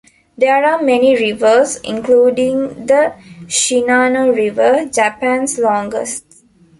There are many rivers, including the Shinano River, Japan's longest.